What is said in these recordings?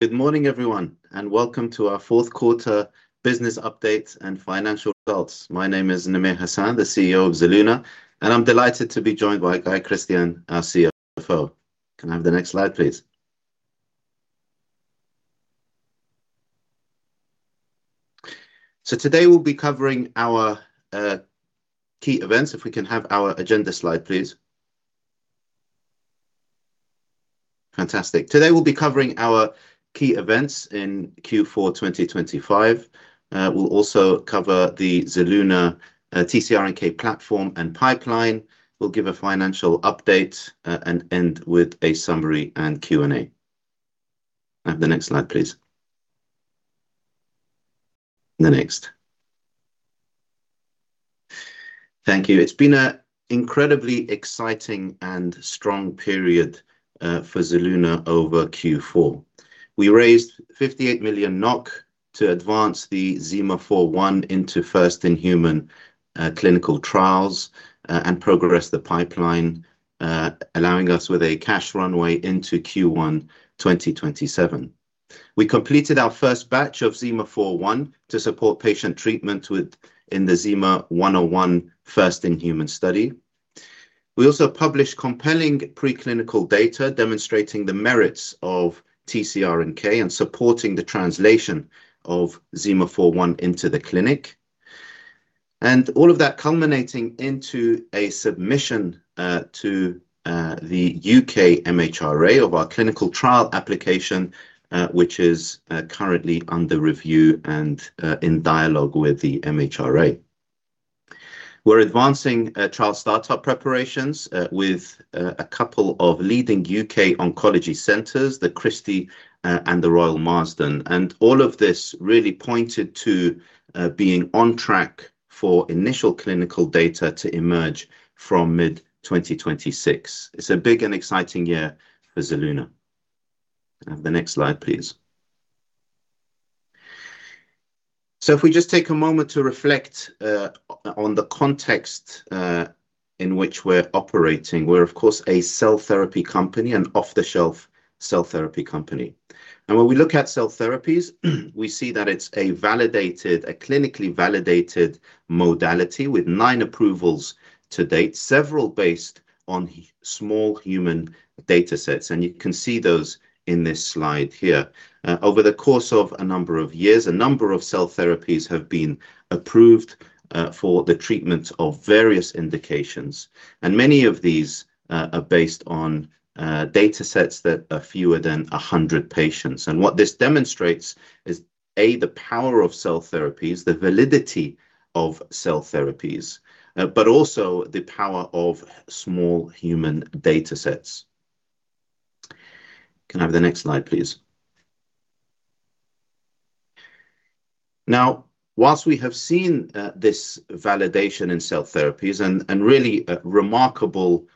Good morning, everyone, and welcome to our fourth quarter business update and financial results. My name is Namir Hassan, the CEO of Zelluna, and I'm delighted to be joined by Guy Christian, our CFO. Can I have the next slide, please? So today we'll be covering our key events. If we can have our agenda slide, please. Fantastic. Today, we'll be covering our key events in Q4 2025. We'll also cover the Zelluna TCR-NK platform and pipeline. We'll give a financial update and end with a summary and Q&A. Can I have the next slide, please? The next. Thank you. It's been a incredibly exciting and strong period for Zelluna over Q4. We raised 58 million NOK to advance the ZIMA-401 into first-in-human clinical trials and progress the pipeline, allowing us with a cash runway into Q1 2027. We completed our first batch of ZIMA-401 to support patient treatment in the ZIMA-101 first-in-human study. We also published compelling preclinical data demonstrating the merits of TCR-NK and supporting the translation of ZIMA-401 into the clinic. All of that culminating into a submission to the U.K. MHRA of our clinical trial application, which is currently under review and in dialogue with the MHRA. We're advancing trial startup preparations with a couple of leading U.K. oncology centers, The Christie and The Royal Marsden. All of this really pointed to being on track for initial clinical data to emerge from mid-2026. It's a big and exciting year for Zelluna. Can I have the next slide, please? So if we just take a moment to reflect on the context in which we're operating. We're of course a cell therapy company, an off-the-shelf cell therapy company. And when we look at cell therapies, we see that it's a validated—a clinically validated modality with nine approvals to date, several based on small human datasets, and you can see those in this slide here. Over the course of a number of years, a number of cell therapies have been approved for the treatment of various indications, and many of these are based on datasets that are fewer than 100 patients. And what this demonstrates is, A, the power of cell therapies, the validity of cell therapies, but also the power of small human datasets. Can I have the next slide, please? Now, while we have seen this validation in cell therapies and really remarkable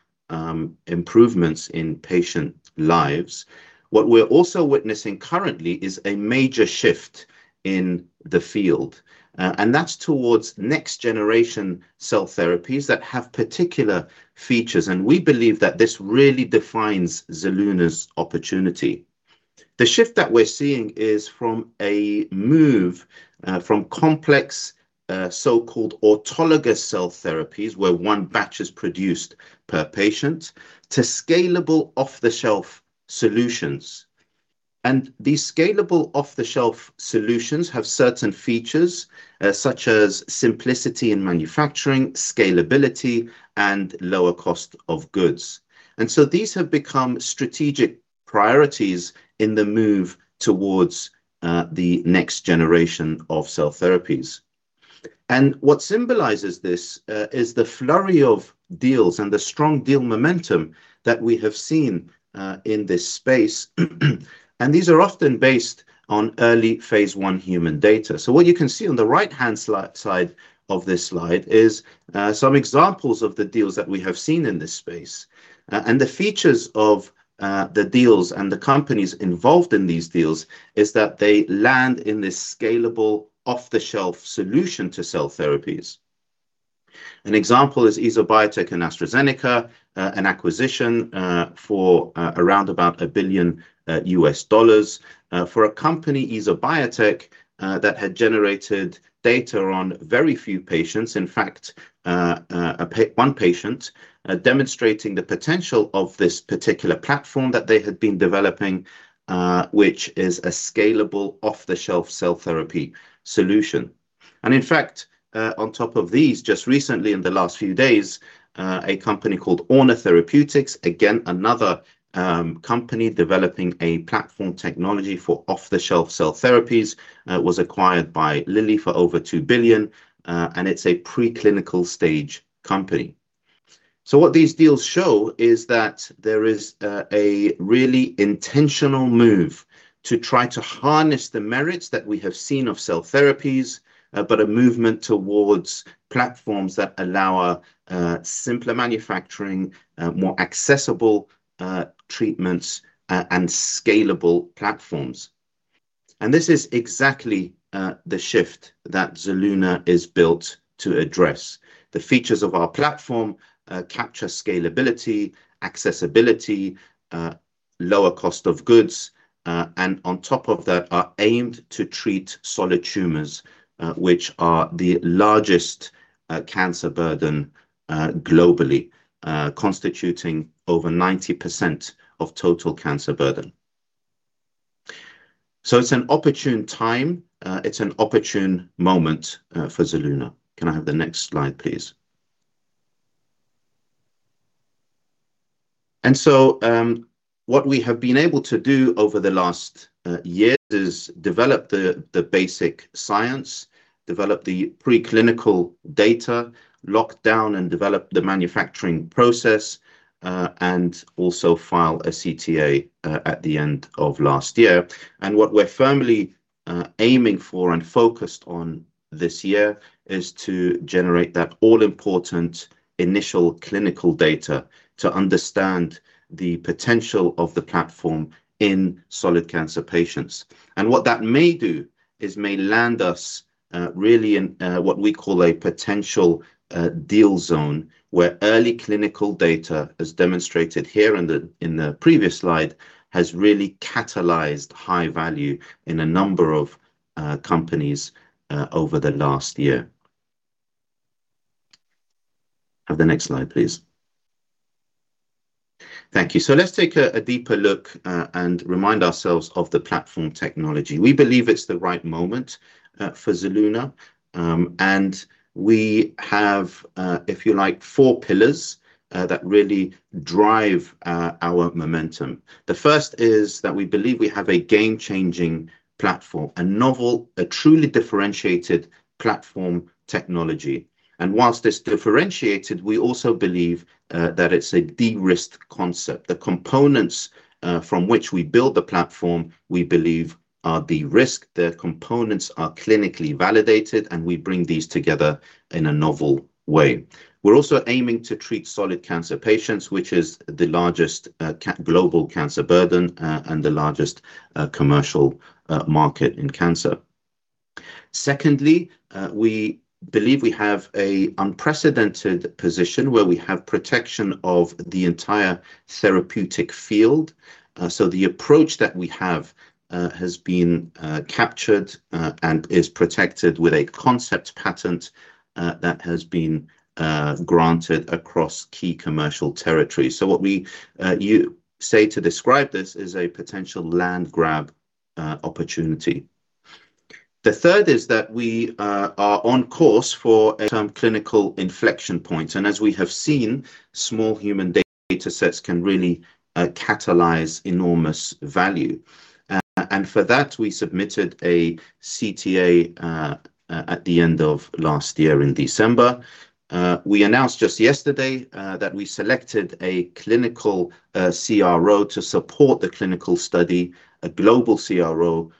improvements in patient lives, what we're also witnessing currently is a major shift in the field and that's towards next-generation cell therapies that have particular features, and we believe that this really defines Zelluna's opportunity. The shift that we're seeing is from a move from complex so-called autologous cell therapies, where one batch is produced per patient, to scalable off-the-shelf solutions. And these scalable off-the-shelf solutions have certain features such as simplicity in manufacturing, scalability, and lower cost of goods. And so these have become strategic priorities in the move towards the next generation of cell therapies. And what symbolizes this is the flurry of deals and the strong deal momentum that we have seen in this space. These are often based on early phase I human data. So what you can see on the right-hand side of this slide is some examples of the deals that we have seen in this space. And the features of the deals and the companies involved in these deals is that they land in this scalable, off-the-shelf solution to cell therapies. An example is EsoBiotec and AstraZeneca, an acquisition for around $1 billion for a company, EsoBiotec, that had generated data on very few patients, in fact, one patient, demonstrating the potential of this particular platform that they had been developing, which is a scalable off-the-shelf cell therapy solution. In fact, on top of these, just recently, in the last few days, a company called Orna Therapeutics, again, another company developing a platform technology for off-the-shelf cell therapies, was acquired by Lilly for over $2 billion, and it's a preclinical-stage company. So what these deals show is that there is a really intentional move to try to harness the merits that we have seen of cell therapies, but a movement towards platforms that allow a simpler manufacturing, more accessible treatments, and scalable platforms. And this is exactly the shift that Zelluna is built to address. The features of our platform capture scalability, accessibility, lower cost of goods, and on top of that, are aimed to treat solid tumors, which are the largest cancer burden globally, constituting over 90% of total cancer burden. So it's an opportune time, it's an opportune moment for Zelluna. Can I have the next slide, please? And so, what we have been able to do over the last years is develop the basic science, develop the preclinical data, lock down and develop the manufacturing process, and also file a CTA at the end of last year. And what we're firmly aiming for and focused on this year is to generate that all-important initial clinical data to understand the potential of the platform in solid cancer patients. What that may do is may land us, really in, what we call a potential, deal zone, where early clinical data, as demonstrated here in the, in the previous slide, has really catalyzed high value in a number of, companies, over the last year. Can I have the next slide, please? Thank you. Let's take a deeper look, and remind ourselves of the platform technology. We believe it's the right moment, for Zelluna. And we have, if you like, four pillars, that really drive, our momentum. The first is that we believe we have a game-changing platform, a novel, a truly differentiated platform technology. And while it's differentiated, we also believe, that it's a de-risked concept. The components, from which we build the platform, we believe are de-risked. The components are clinically validated, and we bring these together in a novel way. We're also aiming to treat solid cancer patients, which is the largest global cancer burden, and the largest commercial market in cancer. Secondly, we believe we have a unprecedented position where we have protection of the entire therapeutic field. So the approach that we have has been captured and is protected with a concept patent that has been granted across key commercial territories. So what we say to describe this is a potential land grab opportunity. The third is that we are on course for a term clinical inflection point, and as we have seen, small human data sets can really catalyze enormous value. And for that, we submitted a CTA at the end of last year, in December. We announced just yesterday that we selected a clinical CRO to support the clinical study, a global CRO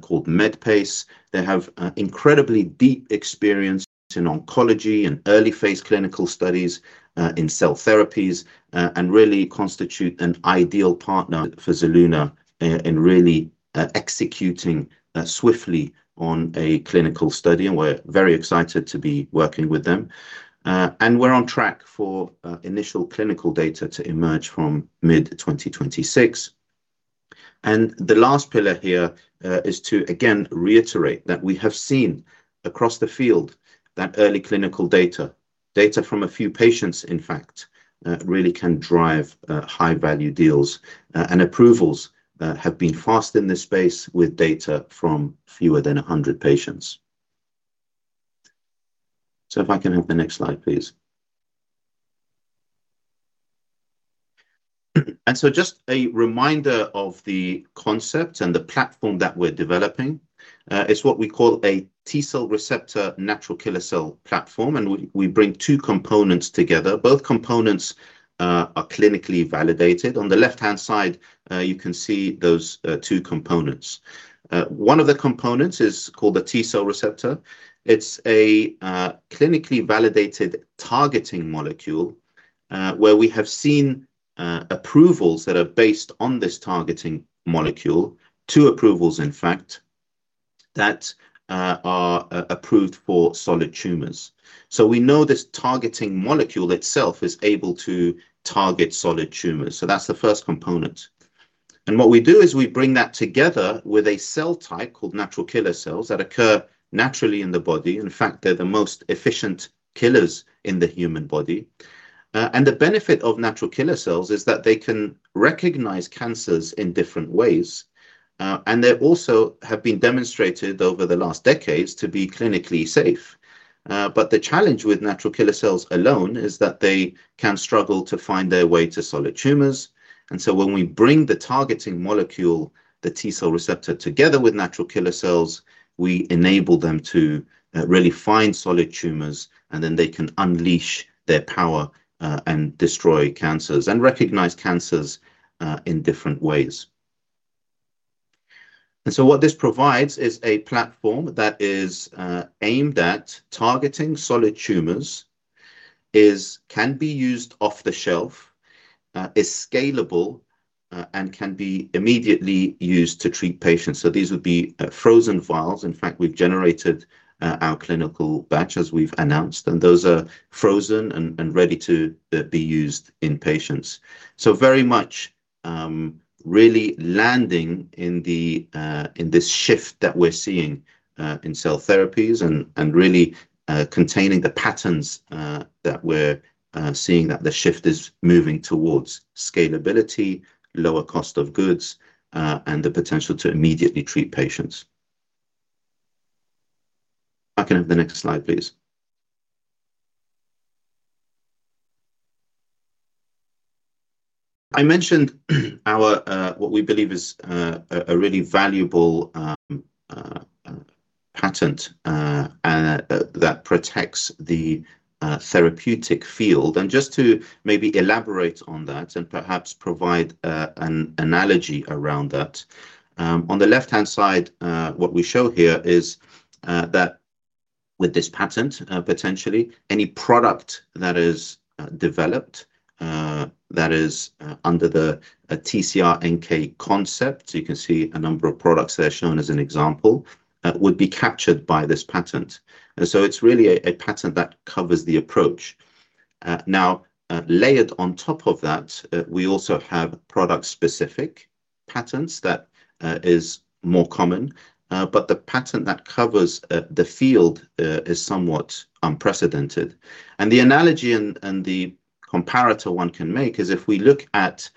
called Medpace. They have incredibly deep experience in oncology and early-phase clinical studies in cell therapies, and really constitute an ideal partner for Zelluna in really executing swiftly on a clinical study, and we're very excited to be working with them. And we're on track for initial clinical data to emerge from mid-2026. And the last pillar here is to again reiterate that we have seen across the field that early clinical data, data from a few patients, in fact, really can drive high-value deals. And approvals have been fast in this space with data from fewer than 100 patients. So if I can have the next slide, please. Just a reminder of the concept and the platform that we're developing is what we call a T-cell receptor natural killer cell platform, and we bring two components together. Both components are clinically validated. On the left-hand side you can see those two components. One of the components is called the T-cell receptor. It's a clinically validated targeting molecule, where we have seen approvals that are based on this targeting molecule. Two approvals, in fact, that are approved for solid tumors. So we know this targeting molecule itself is able to target solid tumors, so that's the first component. What we do is we bring that together with a cell type called natural killer cells that occur naturally in the body. In fact, they're the most efficient killers in the human body. And the benefit of natural killer cells is that they can recognize cancers in different ways, and they also have been demonstrated over the last decades to be clinically safe. But the challenge with natural killer cells alone is that they can struggle to find their way to solid tumors. And so when we bring the targeting molecule, the T-cell receptor, together with natural killer cells, we enable them to really find solid tumors, and then they can unleash their power, and destroy cancers and recognize cancers in different ways. And so what this provides is a platform that is aimed at targeting solid tumors... is, can be used off-the-shelf, is scalable, and can be immediately used to treat patients. So these would be, frozen vials. In fact, we've generated, our clinical batch, as we've announced, and those are frozen and ready to, be used in patients. So very much, really landing in the, in this shift that we're seeing, in cell therapies and, really, containing the patterns, that we're seeing, that the shift is moving towards scalability, lower cost of goods, and the potential to immediately treat patients. If I can have the next slide, please. I mentioned our, what we believe is, a really valuable, patent, that protects the, therapeutic field. Just to maybe elaborate on that and perhaps provide an analogy around that, on the left-hand side, what we show here is that with this patent, potentially, any product that is developed that is under the TCR-NK concept, so you can see a number of products that are shown as an example, would be captured by this patent. And so it's really a patent that covers the approach. Now, layered on top of that, we also have product-specific patents that is more common, but the patent that covers the field is somewhat unprecedented. And the analogy and the comparator one can make is if we look at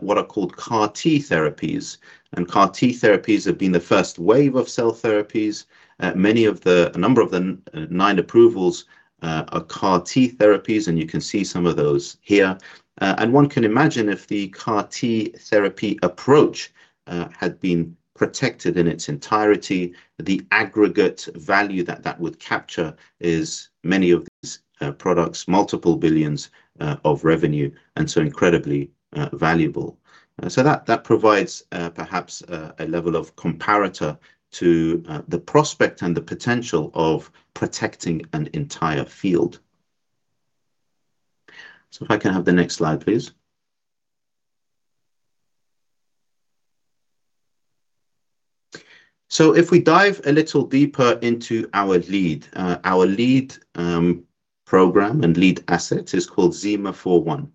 what are called CAR-T therapies, and CAR-T therapies have been the first wave of cell therapies. A number of the 9 approvals are CAR-T therapies, and you can see some of those here. One can imagine if the CAR-T therapy approach had been protected in its entirety, the aggregate value that that would capture is many of these products, multiple billions of revenue, and so incredibly valuable. That provides perhaps a level of comparator to the prospect and the potential of protecting an entire field. If I can have the next slide, please. If we dive a little deeper into our lead program and lead asset is called ZIMA-401.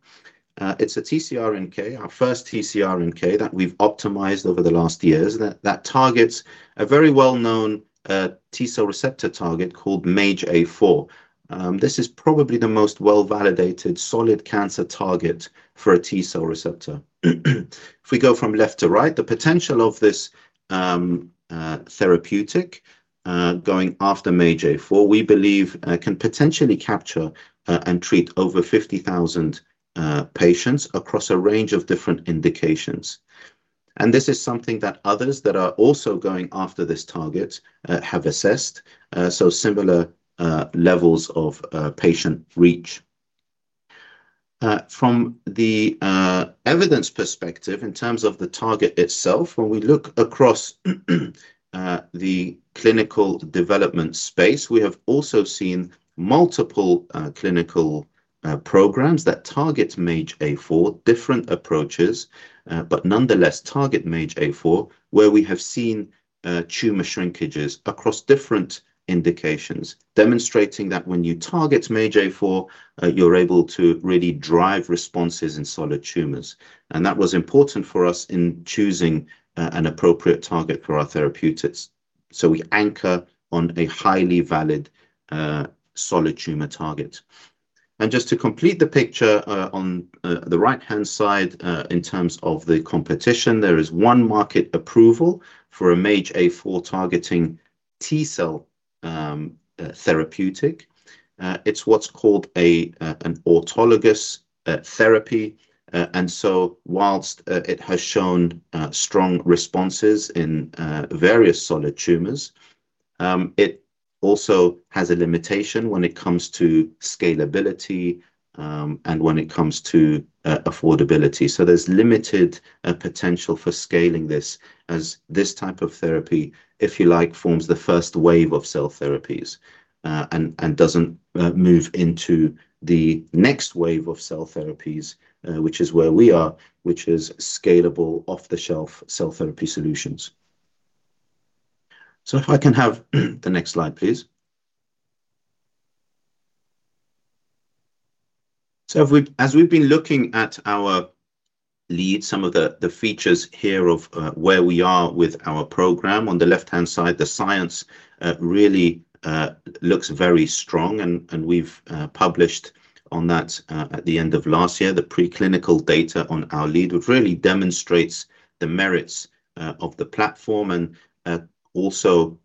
It's a TCR-NK, our first TCR-NK that we've optimized over the last years, that targets a very well-known T-cell receptor target called MAGE-A4. This is probably the most well-validated solid cancer target for a T-cell receptor. If we go from left to right, the potential of this, therapeutic, going after MAGE-A4, we believe, can potentially capture, and treat over 50,000 patients across a range of different indications. And this is something that others that are also going after this target, have assessed, so similar, levels of, patient reach. From the, evidence perspective, in terms of the target itself, when we look across, the clinical development space, we have also seen multiple, clinical, programs that target MAGE-A4, different approaches, but nonetheless target MAGE-A4, where we have seen, tumor shrinkages across different indications, demonstrating that when you target MAGE-A4, you're able to really drive responses in solid tumors. That was important for us in choosing an appropriate target for our therapeutics. We anchor on a highly valid solid tumor target. Just to complete the picture, on the right-hand side, in terms of the competition, there is one market approval for a MAGE-A4 targeting T-cell therapeutic. It's what's called an autologous therapy. And so whilst it has shown strong responses in various solid tumors, it also has a limitation when it comes to scalability, and when it comes to affordability. So there's limited potential for scaling this, as this type of therapy, if you like, forms the first wave of cell therapies, and doesn't move into the next wave of cell therapies, which is where we are, which is scalable, off-the-shelf cell therapy solutions. So if I can have the next slide, please. So if we, as we've been looking at our lead, some of the features here of where we are with our program, on the left-hand side, the science really looks very strong, and we've published on that at the end of last year. The preclinical data on our lead, which really demonstrates the merits of the platform, and also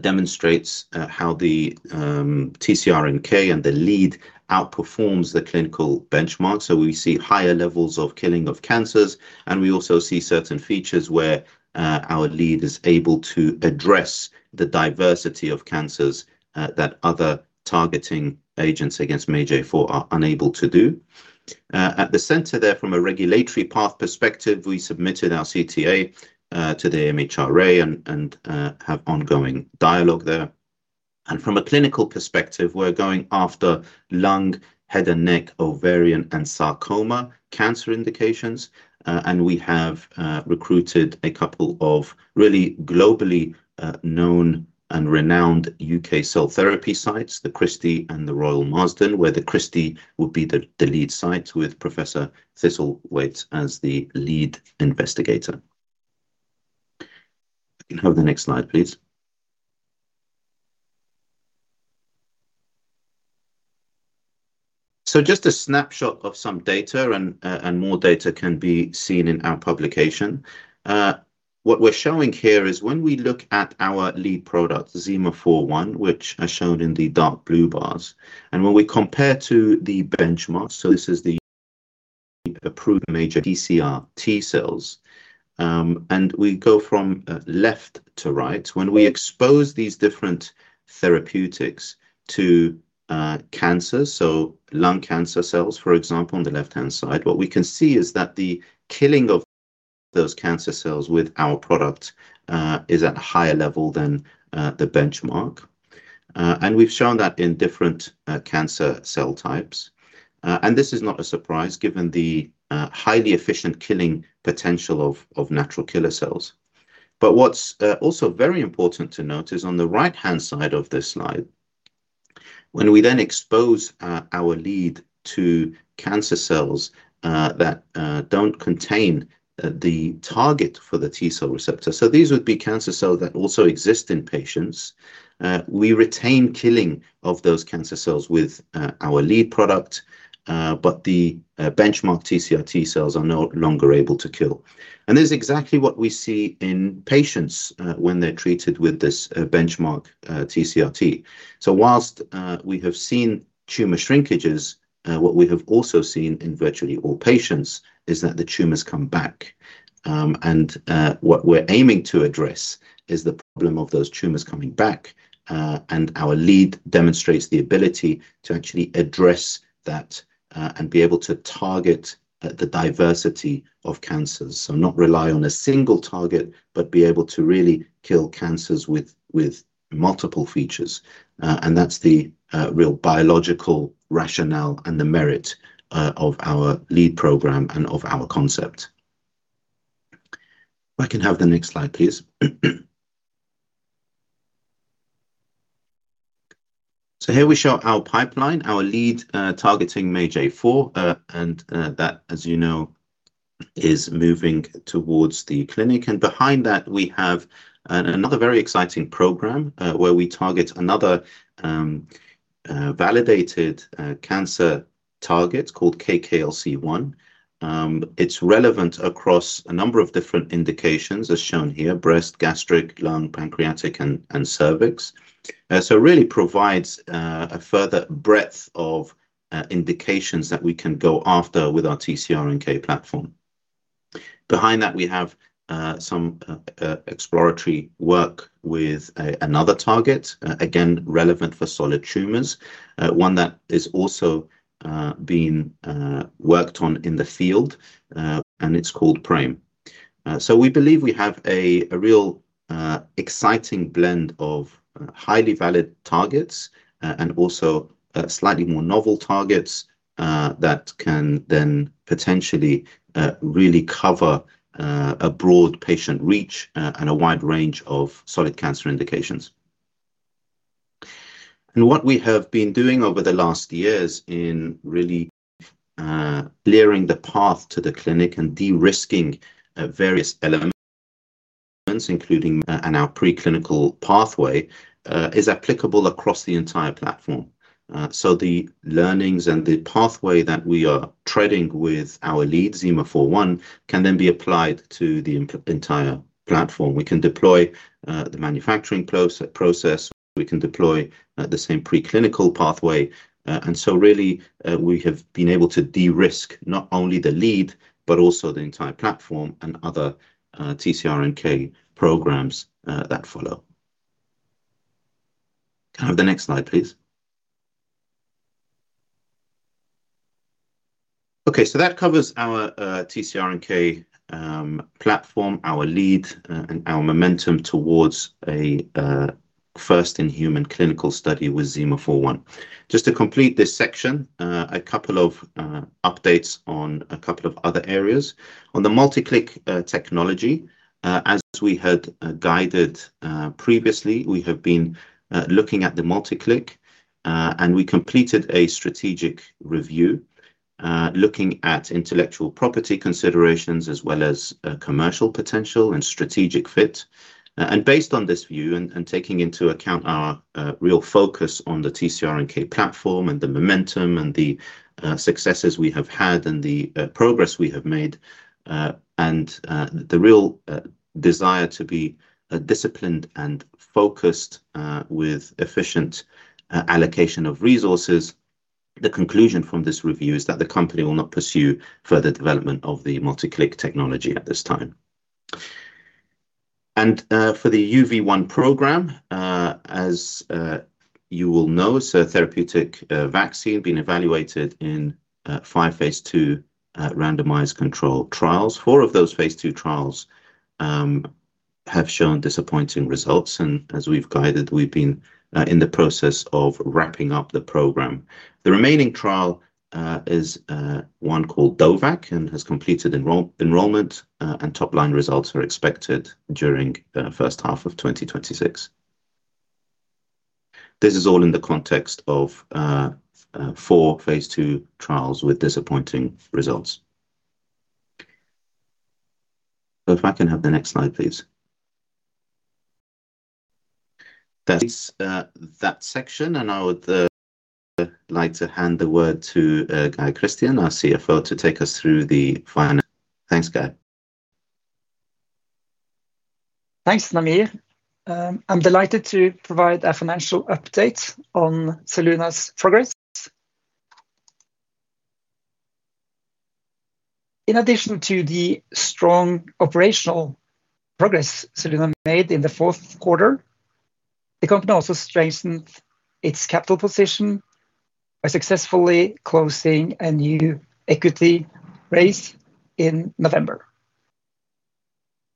demonstrates how the TCR-NK and the lead outperforms the clinical benchmark. So we see higher levels of killing of cancers, and we also see certain features where our lead is able to address the diversity of cancers that other targeting agents against MAGE-A4 are unable to do. At the centre there, from a regulatory path perspective, we submitted our CTA to the MHRA and have ongoing dialogue there. From a clinical perspective, we're going after lung, head and neck, ovarian, and sarcoma cancer indications. And we have recruited a couple of really globally known and renowned U.K. cell therapy sites, The Christie and The Royal Marsden, where The Christie will be the lead site with Professor Thistlethwaite as the lead investigator. I can have the next slide, please. So just a snapshot of some data, and more data can be seen in our publication. What we're showing here is when we look at our lead product, ZIMA-401, which are shown in the dark blue bars, and when we compare to the benchmark, so this is the approved major CAR-T cells, and we go from, left to right. When we expose these different therapeutics to, cancer, so lung cancer cells, for example, on the left-hand side, what we can see is that the killing of those cancer cells with our product, is at a higher level than, the benchmark. And we've shown that in different, cancer cell types. And this is not a surprise, given the, highly efficient killing potential of, of natural killer cells. But what's also very important to note is on the right-hand side of this slide, when we then expose our lead to cancer cells that don't contain the target for the T cell receptor, so these would be cancer cells that also exist in patients. We retain killing of those cancer cells with our lead product, but the benchmark TCR-T cells are no longer able to kill. And this is exactly what we see in patients, when they're treated with this benchmark TCR-T. So while we have seen tumor shrinkages, what we have also seen in virtually all patients is that the tumors come back. What we're aiming to address is the problem of those tumors coming back, and our lead demonstrates the ability to actually address that, and be able to target the diversity of cancers. So not rely on a single target, but be able to really kill cancers with multiple features. And that's the real biological rationale and the merit of our lead program and of our concept. If I can have the next slide, please. So here we show our pipeline, our lead targeting MAGE-A4, and that, as you know, is moving towards the clinic. And behind that, we have another very exciting program, where we target another validated cancer target called KKLC-1. It's relevant across a number of different indications, as shown here: breast, gastric, lung, pancreatic, and cervix. So it really provides a further breadth of indications that we can go after with our TCR-NK platform. Behind that, we have some exploratory work with another target, again, relevant for solid tumors, one that is also being worked on in the field, and it's called PRAME. So we believe we have a real exciting blend of highly valid targets and also slightly more novel targets that can then potentially really cover a broad patient reach and a wide range of solid cancer indications. And what we have been doing over the last years in really clearing the path to the clinic and de-risking various elements, including in our preclinical pathway, is applicable across the entire platform. So the learnings and the pathway that we are treading with our lead, ZIMA-401, can then be applied to the entire platform. We can deploy the manufacturing process, we can deploy the same preclinical pathway. And so really, we have been able to de-risk not only the lead, but also the entire platform and other TCR-NK programs that follow. Can I have the next slide, please? Okay, so that covers our TCR-NK platform, our lead, and our momentum towards a first-in-human clinical study with ZIMA-401. Just to complete this section, a couple of updates on a couple of other areas. On the MultiClick technology, as we had guided previously, we have been looking at the MultiClick, and we completed a strategic review looking at intellectual property considerations, as well as commercial potential and strategic fit. And based on this review and taking into account our real focus on the TCR-NK platform and the momentum and the successes we have had and the progress we have made, and the real desire to be disciplined and focused with efficient allocation of resources, the conclusion from this review is that the company will not pursue further development of the MultiClick technology at this time. And for the UV1 programme, as you well know, so a therapeutic vaccine being evaluated in five Phase II... Randomized controlled trials. four of those Phase II trials have shown disappointing results, and as we've guided, we've been in the process of wrapping up the program. The remaining trial is one called DOVACC and has completed enrollment, and top-line results are expected during the first half of 2026. This is all in the context of four Phase II trials with disappointing results. So if I can have the next slide, please. That's that section, and I would like to hand the word to Guy Christian, our CFO, to take us through the finance. Thanks, Guy. Thanks, Namir. I'm delighted to provide a financial update on Zelluna's progress. In addition to the strong operational progress Zelluna made in the fourth quarter, the company also strengthened its capital position by successfully closing a new equity raise in November.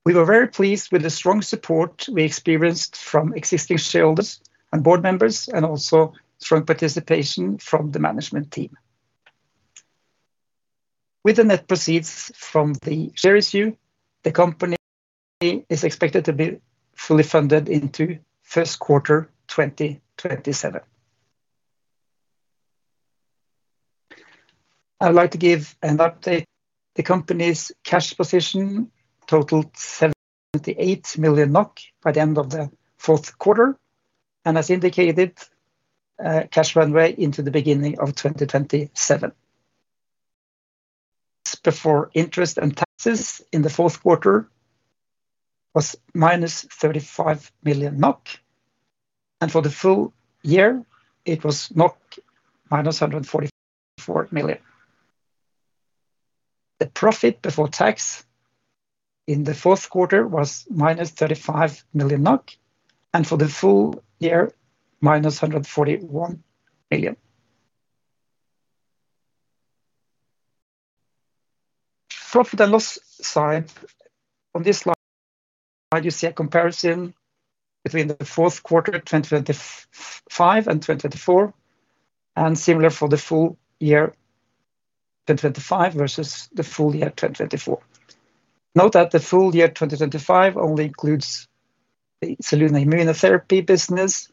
We were very pleased with the strong support we experienced from existing shareholders and board members, and also strong participation from the management team. With the net proceeds from the share issue, the company is expected to be fully funded into first quarter 2027. I'd like to give an update. The company's cash position totaled 78 million NOK by the end of the fourth quarter, and as indicated, cash runway into the beginning of 2027. Before interest and taxes in the fourth quarter was -35 million NOK, and for the full year, it was -144 million. The profit before tax in the fourth quarter was -35 million NOK, and for the full year, -141 million. Profit and loss side, on this slide, you see a comparison between the fourth quarter 2025 and 2024, and similar for the full year 2025 versus the full year 2024. Note that the full year 2025 only includes the Zelluna immunotherapy business,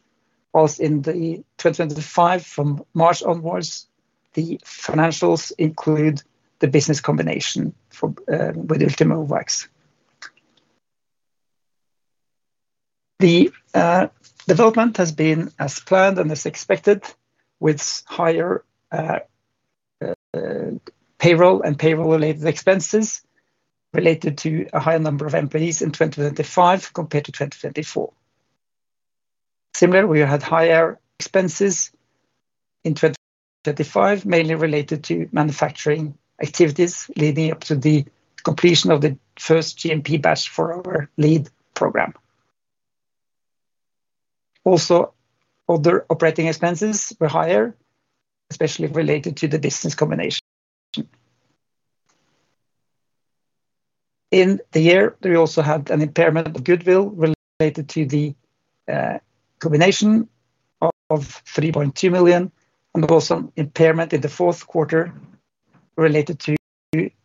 while in the 2025, from March onwards, the financials include the business combination for with Ultimovacs. The development has been as planned and as expected, with higher payroll and payroll-related expenses related to a higher number of employees in 2025 compared to 2024. Similarly, we had higher expenses in 2025, mainly related to manufacturing activities leading up to the completion of the first GMP batch for our lead program. Also, other operating expenses were higher, especially related to the business combination. In the year, we also had an impairment of goodwill related to the combination of 3.2 million, and there was some impairment in the fourth quarter related to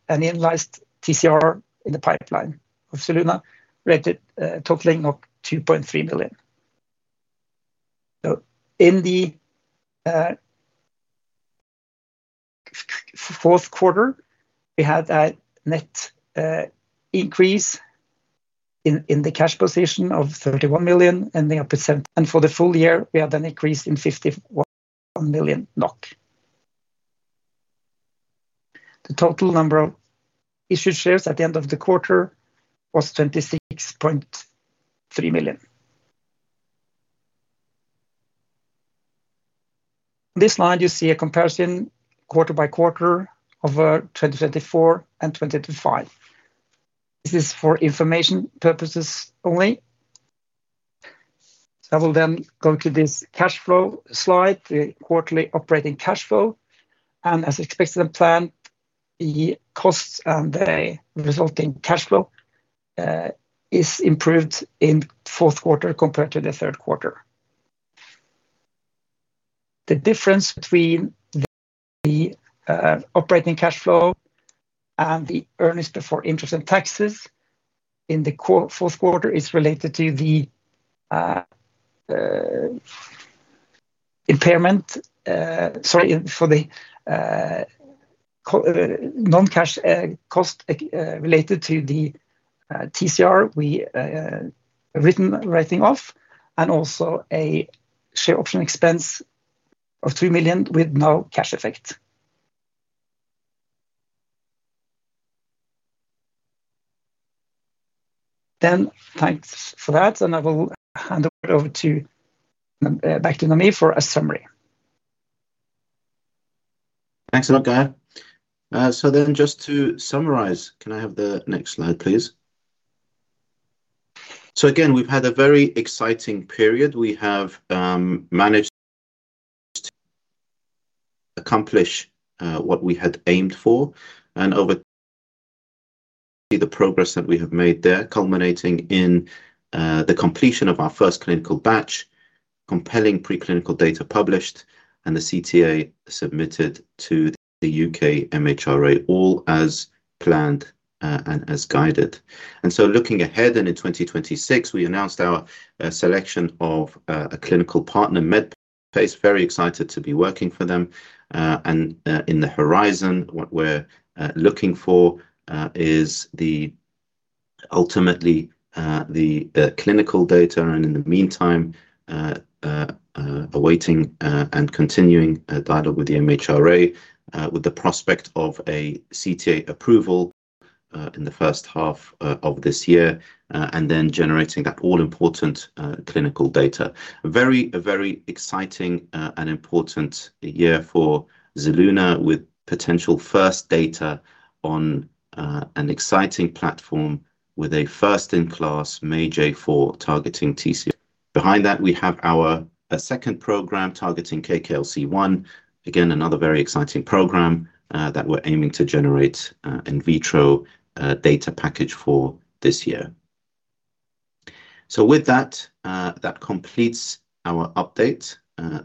an analyzed TCR in the pipeline of Zelluna, rated, totaling of 2.3 million. So in the fourth quarter, we had a net increase in the cash position of 31 million and the up by seven-- and for the full year, we had an increase in 51 million NOK. The total number of issued shares at the end of the quarter was 26.3 million. This slide, you see a comparison quarter-by-quarter over 2024 and 2025. This is for information purposes only. I will then go to this cash flow slide, the quarterly operating cash flow, and as expected and planned, the costs and the resulting cash flow is improved in fourth quarter compared to the third quarter. The difference between the operating cash flow and the earnings before interest and taxes in the fourth quarter is related to the impairment, sorry, for the non-cash cost related to the TCR we writing off and also a share option expense of 3 million with no cash effect. Then thanks for that, and I will hand over to back to Namir for a summary. Thanks a lot, Guy. So then just to summarize, can I have the next slide, please? So again, we've had a very exciting period. We have managed to accomplish what we had aimed for, and over the progress that we have made there, culminating in the completion of our first clinical batch, compelling preclinical data published, and the CTA submitted to the U.K. MHRA, all as planned, and as guided. And so looking ahead then in 2026, we announced our selection of a clinical partner, Medpace. Very excited to be working for them. And in the horizon, what we're looking for is ultimately the clinical data, and in the meantime, awaiting and continuing a dialogue with the MHRA, with the prospect of a CTA approval in the first half of this year, and then generating that all-important clinical data. A very exciting and important year for Zelluna, with potential first data on an exciting platform with a first-in-class MAGE-A4 targeting TCR. Behind that, we have our second program targeting KKLC-1. Again, another very exciting program that we're aiming to generate in vitro data package for this year. So with that, that completes our update.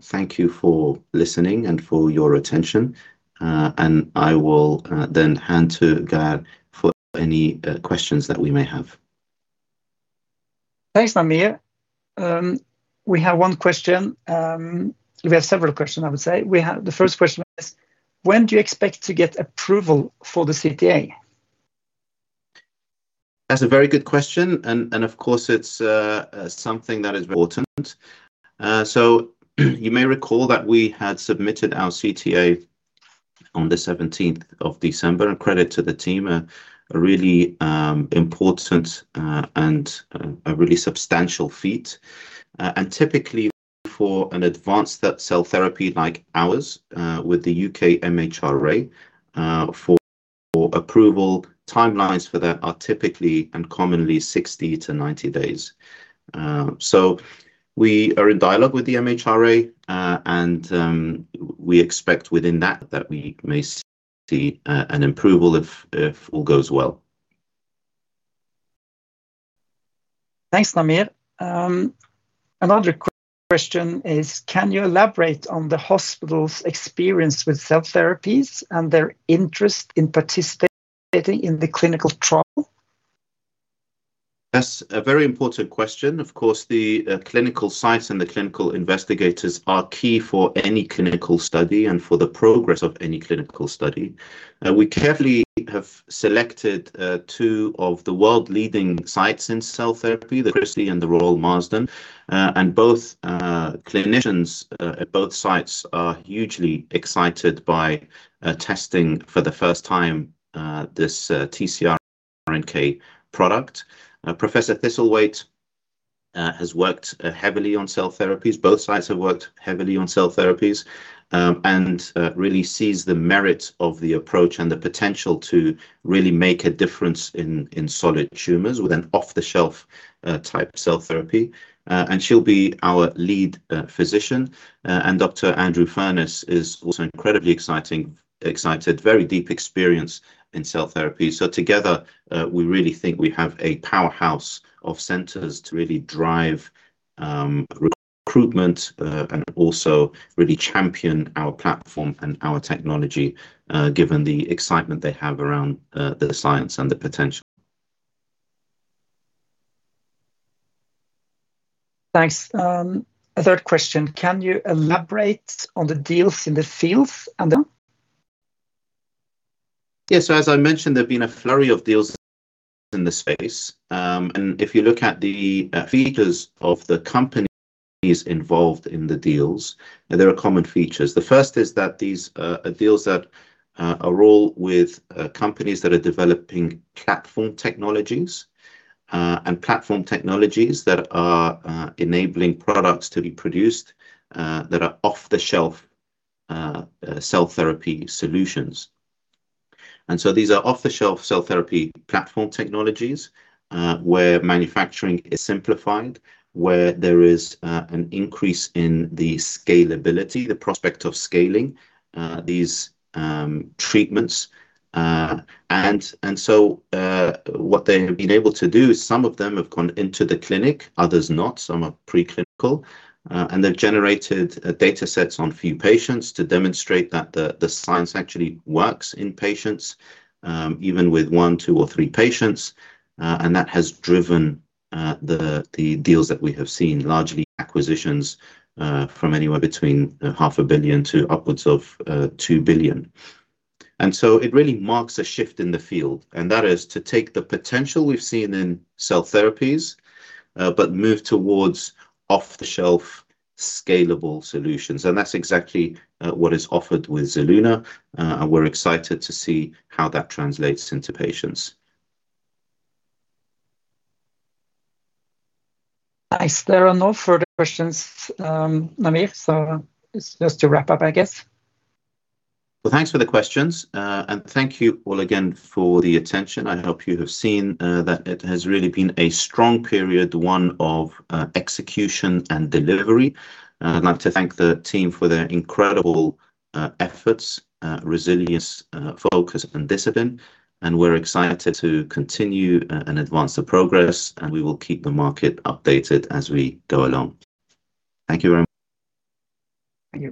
Thank you for listening and for your attention, and I will then hand to Gard for any questions that we may have. Thanks, Namir. We have one question. We have several question, I would say. We have. The first question is, when do you expect to get approval for the CTA? That's a very good question, and of course, it's something that is very important. So you may recall that we had submitted our CTA on the seventeenth of December, and credit to the team, a really important and a really substantial feat. And typically, for an advanced cell therapy like ours, with the U.K. MHRA, for approval, timelines for that are typically and commonly 60-90 days. So we are in dialogue with the MHRA, and we expect within that that we may see an approval if all goes well. Thanks, Namir. Another question is, can you elaborate on the hospital's experience with cell therapies and their interest in participating in the clinical trial? That's a very important question. Of course, the clinical sites and the clinical investigators are key for any clinical study and for the progress of any clinical study. We carefully have selected two of the world-leading sites in cell therapy, The Christie and The Royal Marsden, and both clinicians at both sites are hugely excited by testing for the first time this TCR-NK product. Professor Thistlethwaite has worked heavily on cell therapies. Both sites have worked heavily on cell therapies, and really sees the merit of the approach and the potential to really make a difference in solid tumors with an off-the-shelf type cell therapy. And she'll be our lead physician. And Dr. Andrew Furness is also incredibly excited, very deep experience in cell therapy. So together, we really think we have a powerhouse of centers to really drive recruitment, and also really champion our platform and our technology, given the excitement they have around the science and the potential. Thanks. A third question: Can you elaborate on the deals in the fields and the- Yes. So as I mentioned, there have been a flurry of deals in the space. And if you look at the features of the companies involved in the deals, there are common features. The first is that these deals that are all with companies that are developing platform technologies, and platform technologies that are enabling products to be produced, that are off-the-shelf cell therapy solutions. And so these are off-the-shelf cell therapy platform technologies, where manufacturing is simplified, where there is an increase in the scalability, the prospect of scaling these treatments. So what they have been able to do is some of them have gone into the clinic, others not. Some are preclinical, and they've generated data sets on a few patients to demonstrate that the science actually works in patients, even with one, two, or three patients, and that has driven the deals that we have seen, largely acquisitions, from anywhere between $500 million to upwards of $2 billion. So it really marks a shift in the field, and that is to take the potential we've seen in cell therapies, but move towards off-the-shelf, scalable solutions. That's exactly what is offered with Zelluna, and we're excited to see how that translates into patients. Nice. There are no further questions, Namir, so it's just to wrap up, I guess. Well, thanks for the questions, and thank you all again for the attention. I hope you have seen that it has really been a strong period, one of execution and delivery. I'd like to thank the team for their incredible efforts, resilience, focus, and discipline, and we're excited to continue and advance the progress, and we will keep the market updated as we go along. Thank you very much. Thank you.